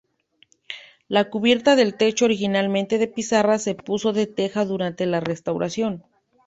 La cubierta del techo, originalmente de pizarra, se puso de teja durante la restauración.